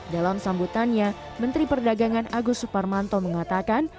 dalam sambutannya menteri perdagangan agus suparmanto mengatakan